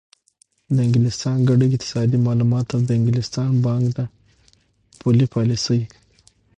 د انګلستان ګډ اقتصادي معلومات او د انګلستان بانک د پولي پالیسۍ